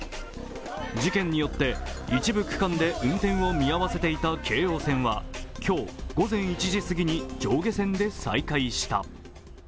事件によって一部区間で運転を見合わせていた京王線は今日午前１時すぎに上下線で再開した。